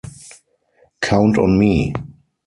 Count on me...